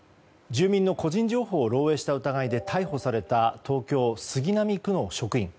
住民の個人情報を漏洩した疑いで逮捕された東京・杉並区の職員。